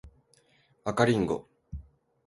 赤リンゴ